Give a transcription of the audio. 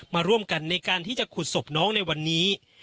มาร่วมกันในการที่จะขุดศพน้องในวันนี้